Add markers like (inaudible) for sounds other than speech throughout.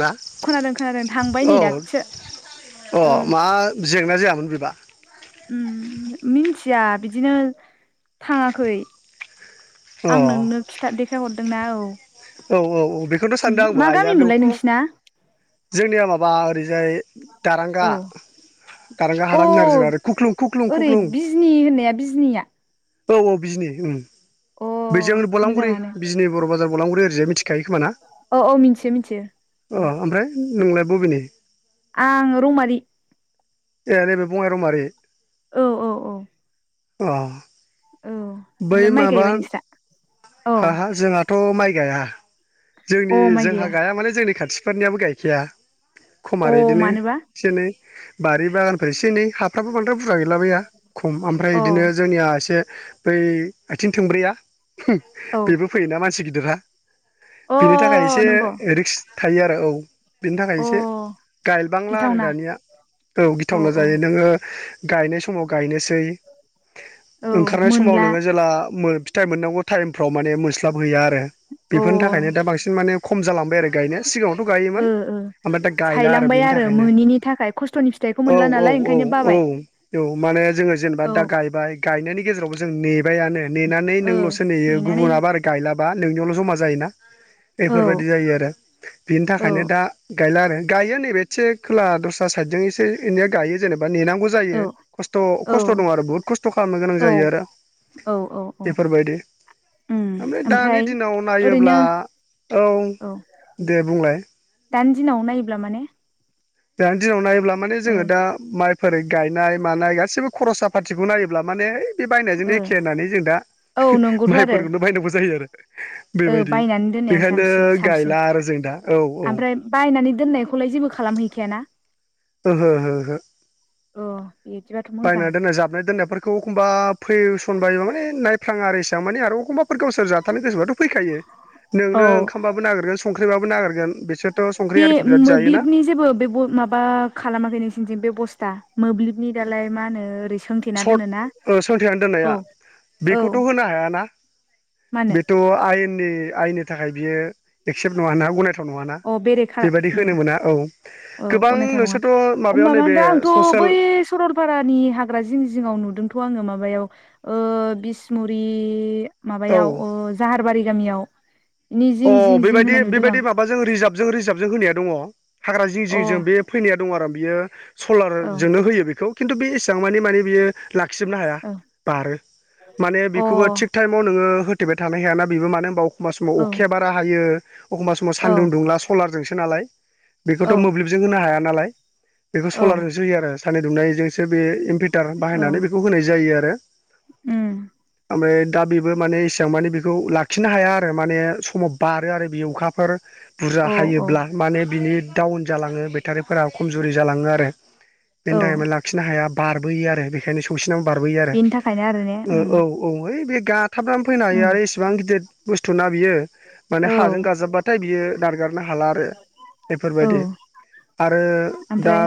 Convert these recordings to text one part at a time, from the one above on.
ना खोनादों खोनादों थांबाय नै औ दासासो अ मा जेंना जायामोन बेबा? उम मिथिया बिदिनो थाङाखै अ आं नोंनो खिथा देखायहरदोंना औ औ औ औ बेखौथ' सानदों ओमफ्राय आंबो मा आइआ गामिमोनलाय बेयावथ' नोंसिना जोंनिया माबा ओरैजाय दारांगा औ दारांगा अ हालां होनो आरो जोंना खुख्लुं खुख्लुं ओरै खुख्लुं बिजनि होननाया बिजनिया औ औ बिजनि उम अ बेजों बलांगुरि मोजाङानो बिजनि बर' बाजार बलांगुरि ओ मिथिखायो खोमा ना औ औ मिथियो मिथियो अ औ ओमफ्राय नोंलाय बबेनि? आं रौमारि ए नै बे बङाइ रौमारि औ औ औ। अ औ बै ओमफ्राय माइ माबा गायबाय नोंस्रा अ हा हा जोंहा थ' माइ गाया। अ जोंनि माइ जोंहा गैया गाया माने जोंनि खाथिफोरनियाबो गायखाया। अ खमार बिदिनो मानोबा एसे एनै बारि बागानफोर एसे एनै हाफ्राबो बांद्राय बुरजा गैलाबया खम ओमफ्राय अ बिदिनो जोंनिया एसे बै आथिं थोंब्रैया औ बेबो फैयोना मानसि गिदिरा अ बेनि थाखाय एसे नंगौ रिक्स थायो आरो औ। बिनि थाखाय अ एसे गायबांला आरो गिथावना दानिया औ गिथावना जायो नोङो गायनाय समाव गायनोसै औ ओंखारनाय समाव मोनला नोङो जेला फिथाइ मोननांगौ टाइमफ्राव माने मोनस्लाबहैया आरो बेफोरनि अ थाखायनो दा बांसिन माने खम जालांबाय आरो गायनो। सिगाङावथ' ओ गायोमोन ओ ओमफ्राय दा गायला आरो सायलांबाय बेनि थाखायनो मोनिनि थाखाय खस्थ'नि फिथाइखौ औ मोनला औ नालाय औ ओंखायनो औ बाबाय औ माने। जोङो जेनेबा औ दा गायबाय गायनायनि गेजेरावबो जों नेबायानो नेनानै ओ नोंल'सो नेयो नेनानै गुबुनाबा आरो गायला बा नोंनियावल' जमा जायोना औ बेफोरबायाददि जायो आरो बेनि औ थाखायनो दा गायला आरो गायो नैबे एसे खोला दस्रा साइदजों एसे एैया गायो जेनेबा नेनांगौ औ जायो खस्थ' औ खस्थ' दं आरो बुहुत खस्थ' खालामनो गोनां औ जायो आरो। औ औ बेफोरबायदि ओमफ्राय दानि दिनाव नायो ओरैनो ब्ला औ दे बुंलाय दानि दिनाव नायोब्ला माने दानि दिनाव नायोब्ला माने ओ जोङो दा माइ फोनाय गायनाय मानाय गासिबो खरसा पातथिखौ नायोब्ला माने बे बायनायजोंनो ओ एखे होननानै जों दा औ नंगौथ' आरो माइफोरखौनो बायनांगौ जायो आरो। ओ बेबायदि बायनानै दोननायानो बेखायनो साबसिन साबसिन गायला आरो जों दा औ औ। ओमफ्राय बायनानै दोननायखौलाय जेबो खालामहैखायाना हो हो। अ बिदिबाथ' मोजां बायना दोननाय जाबनाय दोननायफोरखौ एखमबा फैसन बायोबा माने नायफ्लाङा आरो एसेबां माने आरो एखमबाफोर गावसोर जाथानो गोसोबाथ' फैखायो नोंनो औ ओंखामबाबो नागिरगोन संख्रिबाबो नागिरगोन बिसोर बे मोब्लिबनि जेबो बेब माबा खालामाखै नोंसिनिथिं बेबस्था। मोब्लिबनि दालाय मा होनो ओरै सों। सर्ट सोंथेनानै दोननाया औ बेखौथ' होनो हाया। ना मा होनो बेथ' आयेननि आयेननि थाखाय बियो एक्सेप्ट नङाना गनाय थाव नङा ना अ बेरेखा बेबायदि उम होनो मोना औ औ गोबां गनायथाव नङा नोंसोरथ' मायाव होमबा मा नैबे दा आंथ' ससे बै सरलपारानि हाग्रा जिं जिङाव नुदोंथ' आङो माबायाव ओ बिसमुरि औ माबायाव ओ जाहारबारि गामियाव। नि जिं जिं अ जिं बेबायदि होनाय नुदों आं बेबायदि माबाजों रिजार्भ जों रिजार्भजों होनाया दङ हाग्रा जिं अ जिंजों बे फैनाया दङ आरो बेयो। औ सलारजोंनो होयो बेखौ खिन्थु बे एसेबां मानि माने बियो लाखिजोबनो हाया बारो माने बेखौबो औ थिग टाइमाव नोङो हो मटिबायाइट थानो हायाना बेबो मानो होनबा एखमब समाव अ औ अखे बार हायो एखमबा समाव औ सान्दुंदुंला सलारजों। होनालाय बेखौथ' औ मोब्लिबो होनो हाया नालाय बेखौ औ सलार जोंसो होयो आरो सान्दुंदुंनाय जोंसो। से बे इनभारटार औ बाहायनानै बेखौ होनाय जायो आरो उम ओमफ्राय। दा बेबो माने इसेबां माने बेखौ लाखिनो हाया आरो माने समाव बारो आरो बे अखाफोर। बुरजा औ औ हायोब्ला माने बिनि डाउन जालाङो बेटारिफोरा खमजुरि जालाङो आरो बेनि औ थाखाय माने लाखिनो हाया बारबोयो आरो बेखायनो सौसि नों बारबोयो आरो बेनि थाखायनो आरो ने उम ओ औ औ हैओइ बे गाथाबनानै फैनो हायो उम आरो इसिबां गिदिर बुस्थु ना बियो। माने औ हाजों गाजाबबाथाय बियो नारगारनो हाला आरो औ बेफोरबायदि। आरो दा ओमफ्राय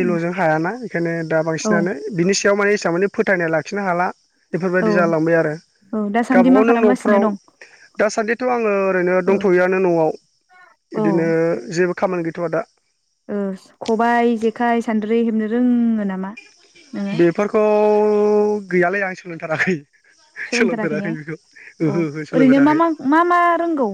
उम हायाना बेखायनो दा औ बांसिनानो बिनि सि। बेयाव माने हिसाब माने फोथायनाय लाखिनो हाला। औ बेफोरबायदि जालांबाय आरो औ दासान्दि गावबा मा गाव नों खालामगासिनो न'फ्राव दं दासान्दिथ' आङो ओरैनो औ दंथ'योयनो न'आव औ बिदिनो जेबो। खामानि गैथ'वआ दा। ओ खबायाइ, जेखाइ, सान्द्रि हेबनो रोङो नामा? नोङो बेफोरखौ गैयालै आं सोलोंथाराखै। सोलोंथाराखै ने सोलोंफेराखै बेखौ अ ओहो ओहो ओरैनो मा सोलोंफेराखै। मा मा मा रोंगौ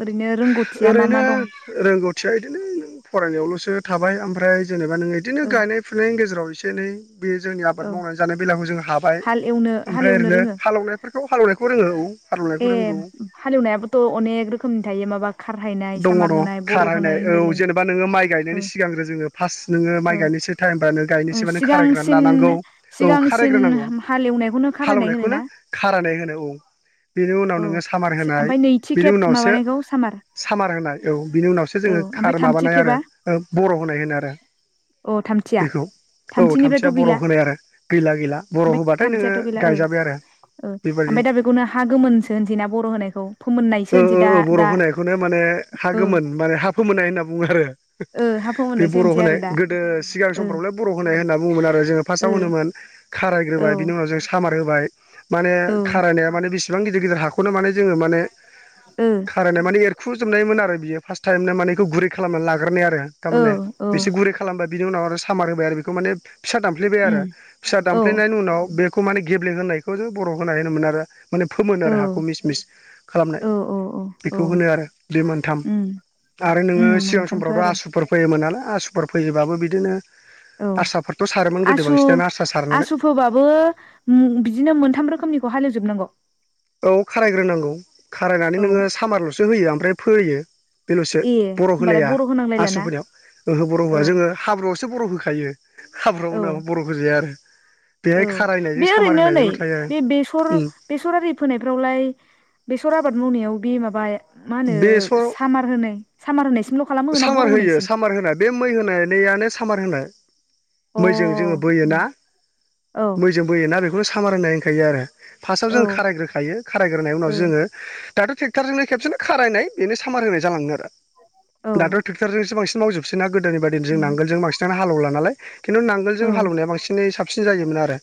ओरैनो रोंगौथिया मा मा ओरैनो दं रोंगौथिया बिदिनो नों फरायनायावल'सो। थाबाय ओमफ्राय जेनेबा नों इदिनो ओ गायनाय फुनायनि गेजेराव एसे एनै। बे जोंनि औ आबाद मावनानै जानाय बेलखौ जों हाबाय। हाल एवनो ओमफ्राय हालेवनो ओरैनो रोङो हालेवनायफोरखौ हालेवनायखौ रोङो औ। हालौनायखौ ए रोंगौ हालेवनायाबोथ' अनेक रोखोमनि थायो माबा। खारहायनाय दङ सामार दङ होनाय बर' होनाय खारहायनाय औ होनलायलायनाय जेनेबा नोङो माइ गायनायनि ओ सिगांग्रो जोङो फार्स्ट नोङो माइ ओ गायनो। नोसै टाइमबा नों ओ गायनोसै माने खारायग्रो सिगांसिन लानांगौ औ सिगांसिन खारायग्रो नांगौ हालेवनायखौनो खारायनाय हालेवनायखौनो। होनोना खारानाय होनो औ। बेनि उनाव औ नोङो सामार होनाय ओमफ्राय नैथि बिनि खेब उनावसो माबानायखौ सामार। सामार होनाय औ बिनि उनावसो औ जोङो ओमफ्राय खार थामथि माबानाय खेबा आरो बर' होनाय होनो आरो। अ थामथिया बेखौ औ थामथिनिफ्रायथ' थामथिया बर' गैला होनाय आरो गैला गैला बर' ओमफ्राय होबाथाय नोङो थामथियाथ' गैला ओ गाय। जाबय आरो ओ बेबायदि ओमफ्राय दा बेखौनो हा गोमोनसो होनसै ना बर' होनायखौ फोमोननायसो होनसै दा दा। बेखौनो माने ओ हागोमोन माने हाफ मोनोननाय होनना बुङो आरो। ओ हा बे फोमोननायसो बर' होनसै होनाय आरो दा गोदो सिगां ओ समफ्रावलाय बर' होनाय होनना बुङोमोन आरो जोङो फार्स्टआव ओ होनोमोन खाराय। औ ग्रोबाय बिनि उनाव जों सामार होबाय माने औ खारायनाया माने बेसेबां गिदिर गिदिर हाखौनो माने जोङो माने। ओ खारायनाय माने एरखुजोबनायमोन आरो बियो फार्स्ट टाइमनो माने बेखौ गुरै खालामना लाग। ग्रोरनाय आरो थारमाने औ बिसे गुरै खालामबा बिनि उनाव आरो सामार होबाय आरो बेखौ माने। फिसा दामफ्लेबाय आरो उम फिसा औ दामफ्लेनायनि उनाव बेखौ माने गेब्ले होनायखौ जों बर' होनाय होनोमोन आरो माने फोमोन औ आरो हाखौ मिस मिस खालामनाय औ औ औ औ बेखौ होनो आरो बे मोनथाम उम आरो नोङो उम सिगां मोनथामथ' समफ्रावथ' आरो आसुफोर फैयो मोन नालाय आसुफोर फैयोबो बिदिनो औ आसाफोरथ' आसु आसु फोबाबबो बिदिनो मोनथाम रोखोमनिखौ हालेवजोब नांगौ। औ खारायग्रोनांगौ खारायनानै औ नोङो सामारल'सो होयो ओमफ्राय फोयो। बेल'सो ए बर' होमबालाय होलाया होनांलायलाना आसुफोरनियाव ओहो बर' औ होआ जोङो हाब्रुयावसो बर' होखायो औ हाब्रुयाव नङाबा बर' होजाया आरो बेहाय औ बे खारायनायजों सामार ओरैनो नै होनायजोंल' थायो आरो बे बेसर उम बेसरि फोनायफ्रावलाय बेसर आबाद मावनायाव बे माबा मा होनो बेसर सामार होनाय सामार होनायसिमल' खालामो ना बर' होनायसिम आनो सामार होनाय अ मैजों जोङो औ बोयोना औ मैजों बोयोना बेखौनो साम्रायनाय होनखायो आरो फार्स्टआव जों ओ खारायग्रोायो खारायग्रोनाय उनाव औ जोङो दाथ' ट्रेक्टरजोंनो खेबसेनो खारायनाय बेनो सामार होनाय जालाङो आरो दाथ' ट्रेक्टरजोंसो बांसिन मावजोबसै ना गोदोनि बायदिनो जों नांगोलजों बांसिनानो हालेवला नालाय खिन्थु औ नांगोलजों हालेवनाया बांसिनै साबसिन जायोमोन आरो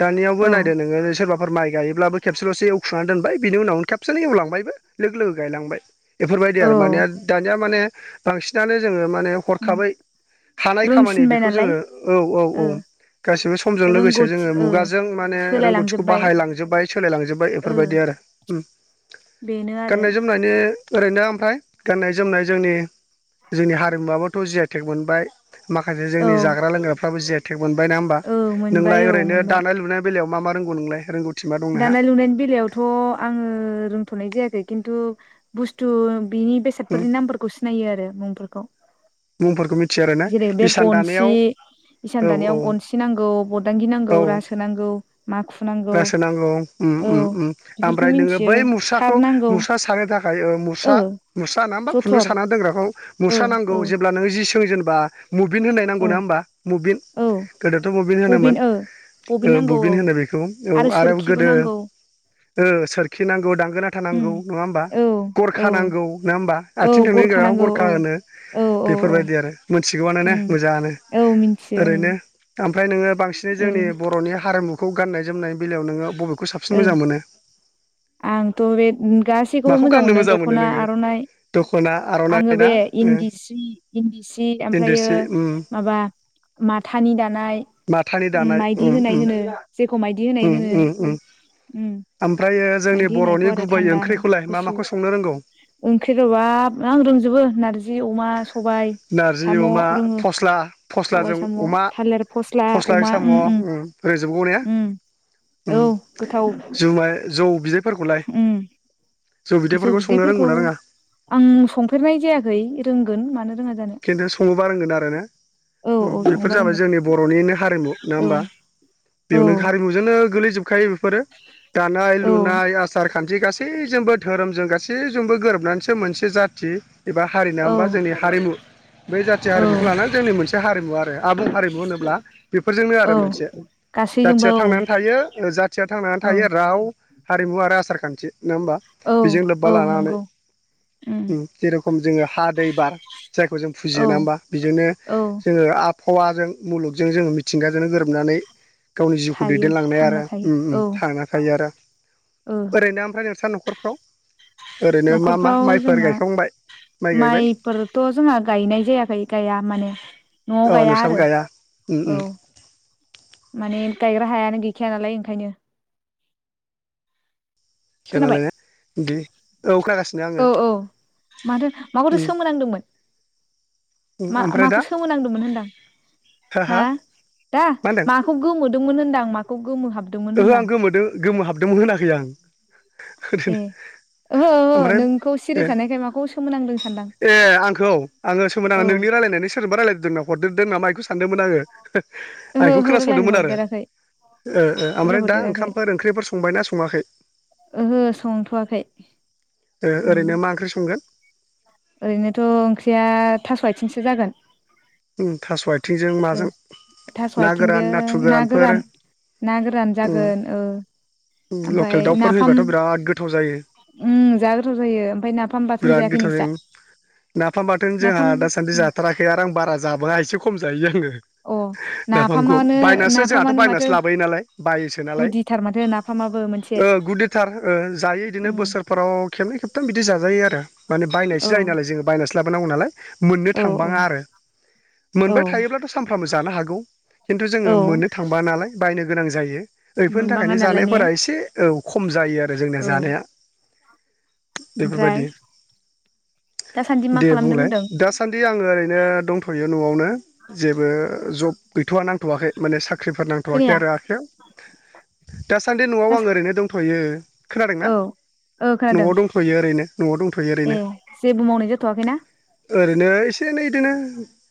दानियावबो औ नायदो नोङो सोरबा फोर माइ गायोब्लाबो खेबसेल'सो एवखांनानै दोनबाय बिनि उनावनो खेबसेलनो एवलांबायबो लोगो लोगो गायलांबाय बेफोरबायदि आरो माने औ दानिया माने बांसिनानो जोङो माने हरखाबै हानाय खामानि रोंसिनबाय बेखौ नालाय जोङो औ औ औ ओ गासैबो समजों लोगोसे रोंगौथि जोङो ओ मुगाजों माने रोंगौथिखौ सोलायलांजोब्बाय बाहायलांजोबबाय सोलायलांजोब्बाय ओ बेफोरबायदि आरो दा उम बेनो आरो बे ओरैनो ओमफ्राय गाननाय जोमनाय जोंनि जोंनि हारिमुवाबबोथ' जि आइटेक मोनबाय माखासे औ जोंनि जाग्रा लोंग्राफ्राबो जेटेक मोनबाय नोङा होमबा औ मोनबाय नोंलाय औ ओरैनो मोनबाय दानाय लुनाय बेलायाव मा मा रोंगौ नोंलाय रोंगौ दानाय लुनायनि बेलायावथ' आङो रोंथ'नाय जायाखै खिन्थु बुस्थु बिनि उम बेसादफोरनि नामफोरखौ सिनायो आरो मुंफोरखौ मुंफोरफोरखौ मि जेरै बे गनसि इसान औ दानायाव औ गनसि नांगौ बरदांगि नांगौ औ रासो नांगौ माखु नांगौ रासो नांगौ उम औ उम उम बेफोरखौ ओमफ्राय नोङो मिथियो बै थार मुसाखौ नांगौ मुसा सानो थाखाय ओ मुसा मुसा ना मा खुन्दुं जथर साना दोंग्राखौ ओ मुस्र नांगौ औ जेब्ला नों जि सों जेनबा मुभिन्ट होननाय नांगौ औ ना होमबा मुभेन्ट औ गोदोथ' बबिन होनोमोन औ बबिन होनो बेखौ औ आरो सोरखिबो गोदो नांगौ ओ सोरखि नांगौ दांगो लाथा उम नांगौ नङा होमबा औ औ गरखा नांगौ नङा होम बा औ आथिं थोंनै गाग्राखौ नांगौ गरखा औ होनो औ औ औ बेफोरबायदि आरो थिगौआनो ने उम मोजाङानो औ मिथियो ओं ओरैनो ओमफ्राय नोङो बांसिन जोंनि ओरैनो बर'नि हारिमुखौ गाननाय जोमनाय बेलायाव नोङो बबेखौ साबसिन ओ मोजां मोनो। आंथ' बे गासैखौबो माखौ मोजां गाननो मोनो दख'ना नोङो आर'नाइ दख'ना आङो आर'नाइ ना बे ओ इन्दि सि इन्दि सि इन्दि ओमफ्रायो सि उम माबा माथानि दानाय माथानि दानाय माइदि उम होनाय उम होनो जेखौ माइदि होनाय उम होनो उम उम ओमफ्रा मायदि होननायखौ आरो थान्दानो मा गुसु माखौ संनो रोंगौ ओंख्रि गोबाब आं रोंजोबो नारजि अमा सबाइ नारजि अमा फस्ला सबाय फस्लाजों साम' अमा थालिर फस्ला जों अमा साम' उम उम ओम रांजों गौनो उम उम औ गोथाव जुमाय जौ बिदिफोरखौलाय उम जौ बिदैफोरखौ आं संफेरनाय जायाखै रोंगोन मानो। रोङा जानो खिन्थु संङोबा रोंगोन आरो ने। औ उम औ बेफोर संबा जाबाय रोंगोन जोंनि बर'निनो हारिमु नोङा औ होमबा औ बेयावनो हारिमुजोंनो गोलैजोब खायो बेफोरो दानाय औ लुनाय आसार। खान्थि गासैजोंबो धोरोमजों गासैजोंबो गोरोबनानैसो मोनसे जाथि। एबा हारि नोङा औ होमबा जोंनि हारिमु। बै जाथि औ हारिमुखौ लानानै जोंनि मोनसे हारिमु आरो आबुं हारिमु होनोब्ला बेफोरजोंनो आरो औ मोनसे। जाथिया गासैजोंबो थांनानै औ थायो ओ जाथिया थांनानै थायो राव हारिमु आरो आसार खान्थि। नोङा होमबा औ बेजों लोब्बा औ लानानै नंगौ उम जेरेखम जों हा दै बार। जायखौ जों फुजियो औ ना होमबा बिजोंनो औ जोङो आ आबहावाजों मुलुगजों जोङो मिथिंगाजोंनो गोरोबनानै। गावनि जिउखौ थायो दैदेनलांनाय थांना आरो थायो उम उम औ थांना थायो आरो। ओ ओरैनो ओमफ्राय नोंसा न'खरफ्राव। ओरैनो मा मा न'खरफ्राव माइफोर जोंना गायखांबाय माइ गायबाय माइफोथ' ज जोंहा गायनाय जायाखै गाया माने न'आव अ गाया नोंस्राबो आरो उम उम माने गायग्रा हायानो गैखाया नालाय एंखायनो खिया नालाय नो दि औ खागासिनो आंङो औ औ माथो माखौथो सोमोनांदोंमोन उम मा ओमफ्राय माखौ दा सोमोनांदोंमोन होनदां हा दा मा होनदों माखौ गोमोदोंमोन होनदां माखौ गोमोहाब ओहो आं गोमोदो गोमोहाबदोंमोन होनाखै आं ओरैनो ए ओहो ओहो ओमफ्रायब नोंखौ सिरि ए थानायखाय माखौ सोमोनांदों सानदां ए आंखौ आंङो सोमो औ (unintelligible) ए रायलायनायानो सोरजोंबा रायलायदों ना हरदेरदो नामा इख गो सानदोंमोन आंङो आं ओहो एखौ ओहो रायलाय खोनासंदोंमोन आरो हरदेराखै ओ ओ रायलाय आमफ्राय दा हरदेराखै ओंखामफोर ओंख्रिफोर संबाय ना संङाखै? ओहो संथ'वाखै ओ उम ओरैनो मा ओंख्रि संगोन? ओरैनोथ' ओंख्रिया थास' आइथिंसो जागोन उम थास' आइथिंजों ओ माजों थास' ना गोरान आथिंजों नाथुर ना गोरानफोर गोरान ना गोरान उम जागोन ओ उम ओमफाय लकेल दाउफोर नाफाम होयोबाथ' बिराद गोथाव जायो उम जा गोथाव जायो ओमफाय नाफाम बाथोन बिराद जायाखै गोथाव नोंस्रा जायो नाफाम बाथोन जोंहा नाफाम दासान्दि जाथाराखै आरो आं बारा जाबोआ एसे खम जायो आंङो अ (unintelligible) नाफामखौ नाफामानो बायनासो जोंहाथ' नाफामानो माथो बायनासो लाबोयो नालाय बायोसो नालाय गुदिथार माथो नाफामाबो मोनसे ओ गुदिथार हो ओ जायो इदिनो उम बोसोरफोराव खेबनै खेब थाम बिदि जाजायो आरो माने बायनायसो औ जायो नालाय जोंङो बायनासो लाबोनांगौ नालाय मोननो औ थांबांङा आरो औ मोनबाय थायोब्लाथ' सामफ्रामबो जानो हागौ खिन्थु औ जोंङो मोननो थांबा नालाय बायनो गोनां जायो ओइफोरनि मोनबाङा थाखायनो नालाय ने जानायफोरा एसे औ खम जायो आरो जोंना औ जानाया ओमफ्राय बेफोरबादि दासान्दि मा दे खालामदों बुंलाय होनदों दासान्दि आंङो ओरैनो दंथ' इयो न'आवनो जेबो जब गैथ'आ नांथ'वाखै माने साख्रिफोर नांथ'वाखै खोनाया आरो आखाइयाव दासान्दि न'आव आं ओरैनो दंथ'यो खोनादों ना औ औ न'आव खोनादों दंथ'यो ओरैनो न'आव दंथ'यो ए ओरैनो जेबो मावनाय जाथ'वाखैना ओरैनो एसे एनै इदिनो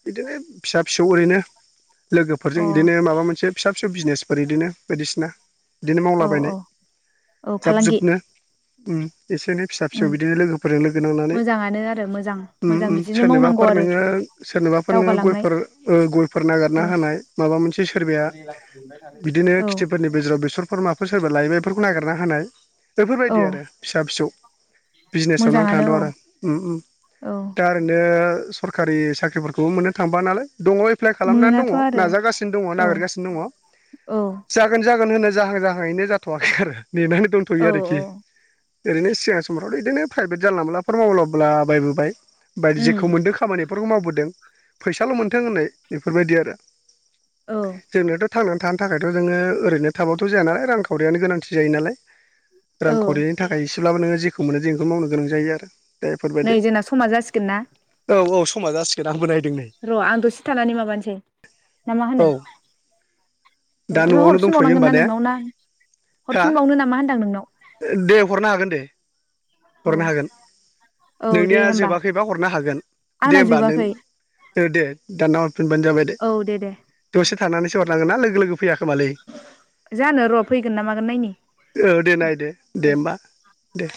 इदिनो फिसा फिसौ ओरैनो लोगोफोरजों अ इदिनो माबा मोनसे फिसा फिसौ बिजनेसफोर इदिनो बायदिसिना गदिनो औ मावलाबायनाय औ औ जाब फालांगि जुबनो उम एसे एनै फिसा फिसौ उम इदिनो लोगोफोरजों लोगो नांनानै मोजाङानो आरो मोजां उम मोजां उम बिदिनो मावनांगौ सोरनोबाफोर आरो नोंङो सोरनोबाफोर नोंङो दावगालांनाय गयफोर ओ गयफोर औ नागिरना होनाय माबा मोनसे सोरबाया बिदिनो औ खिथिफोरनि बेजेराव बेसर बोरमाफोर सोरबा लायोब एफोरखौ नागेरना होनाय औ एफोरबायदि आरो फिसा फिसौ बिजिनेसआव नांथानान मोजाङानो दं औ आरो उम उम औ दा ओरैनो सरखारि साख्रिफोरख खौबो मोननो थांबा नालाय दङ' एफ्लाइ खालामनानै दङ' मोनाथ' आरो नाजागासिनो दङ' औ नागिरगासिनो दङ' औ जागोन जागोन होनो जाहां जाहाङैनो जाथ'वाखै आरो नेनानै दंथ'यो औ औ आरोखि ओरैनो सिगां समफ्रावथ' इदिनो फ्राइभेट जानला मलाफोर मावलाबोला बायबोबाय बायदि उम जेखौ मोन्दों खामानिफोरखौ मावबोदों फैसााल' मोनथों होननाय इफोरबायदि आरो औ जोंनोथ' थांनानै थानो थाखायथ' जोङो ओरैनो थाबाथ' जाया ना रांखावरियानो गोनांथि जायो नालाय औ रांखावरिनि थाखाय एसेब्लाबो नोङो जेखौ मोनो जे इखौ मावनो गोनां जायो आरो दे नै फोरबायदि जोंना समा जासिगोन ना औ औ समा जासिगोन आंबो नाय र' आं दसे थानानै माबानिसै ना मा होनो औ ओ दा ओमफाय न'आवनो दंथ'यो हरफिनबावनांगोन होमबा ना ने नोंनाव ना हा हरफिनबावनो नामा होनदां नोंनाव? दे हरनो हागोन दे औ हरनो हागोन औ दे नोंनिया होमबा जोबाखैबा हरनो हागोन दे आंना होमबा जोबाखै नों दे दानना हरफिनबानो जाबाय दे औ दे दसे थानानैसो हरनांगोन ना लोगो लोगो फैया खोमालै जानो र' फैगोन ना मागोन नायनि औ दे नायदो औ दे होमबा दे।